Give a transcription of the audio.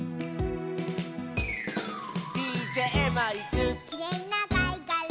「ＤＪマイク」「きれいなかいがら」